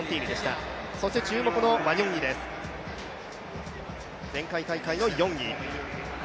そして注目のワニョンイです、前回大会の４位です。